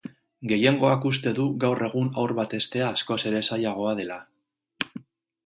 Gehiengoak uste du gaur egun haur bat heztea askoz ere zailagoa dela.